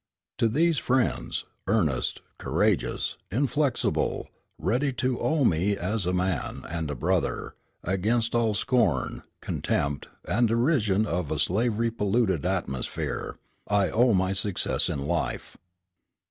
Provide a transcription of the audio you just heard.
To these friends, earnest, courageous, inflexible, ready to own me as a man and a brother, against all the scorn, contempt, and derision of a slavery polluted atmosphere, I owe my success in life."